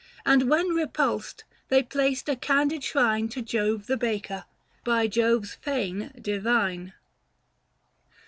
And when repulsed, they placed a candid shrine To Jove the baker, by Jove's fane divine.